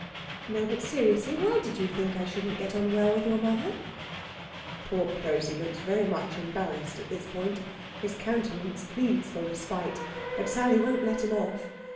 No, but seriously why did you think I shouldn't get on well with your mother?" Poor Prosy looks very much embarrassed at this point; his countenance pleads for respite. But Sally won't let him off.